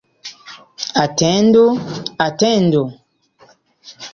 Atendu, atendu!